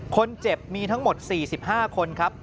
คนเจ็บมีทั้งหมด๔๕คนครับ